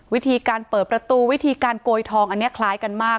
วิธีการเปิดประตูวิธีการโกยทองอันนี้คล้ายกันมาก